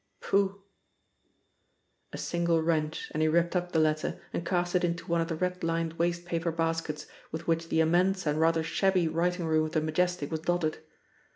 Pooh! ... A single wrench, and he ripped up the letter and cast it into one of the red lined waste paper baskets with which the immense and rather shabby writing room of the Majestic was dotted.